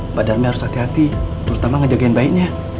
mbak darmi harus hati hati terutama ngejagain bayinya